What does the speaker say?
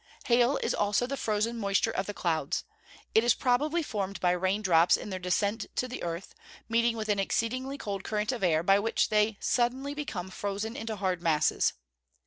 _ Hail is also the frozen moisture of the clouds. It is probably formed by rain drops in their descent to the earth, meeting with an exceedingly cold current of air by which they become suddenly frozen into hard masses.